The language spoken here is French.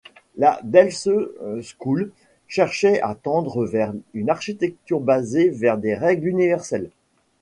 La Delftse School cherchait à tendre vers une architecture basée sur des règles universelles.